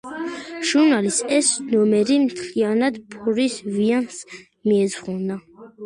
ჟურნალის ეს ნომერი მთლიანად ბორის ვიანს მიეძღვნა.